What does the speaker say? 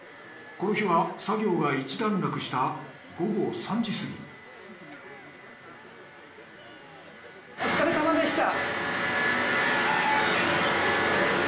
この日は作業が一段落した午後３時過ぎお疲れさまでした。